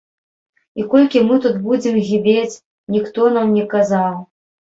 І колькі мы тут будзем гібець, ніхто нам не казаў.